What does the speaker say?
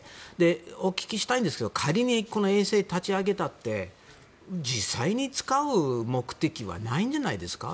お聞きしたいんですけど仮に衛星を立ち上げたって実際に使う目的はないんじゃないですか？